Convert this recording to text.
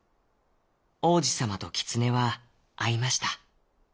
王子さまとキツネはあいました。